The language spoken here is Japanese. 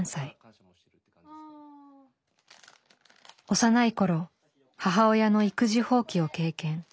幼い頃母親の育児放棄を経験。